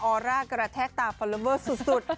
ออร่ากระแทกตาฟันรับเวอร์สุด